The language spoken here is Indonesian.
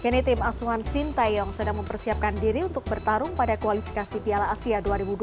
kini tim asuhan sintayong sedang mempersiapkan diri untuk bertarung pada kualifikasi piala asia dua ribu dua puluh